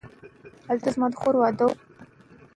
شاعر په خپلو جملو کې د کلماتو ترتیب په مهارت کړی دی.